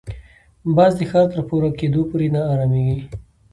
باز د ښکار تر پوره کېدو پورې نه اراميږي